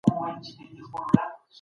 هغه په لېتوانيا کې محکوم شوی دی.